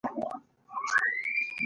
ټینګو الفاظو ورته لیکلي وو.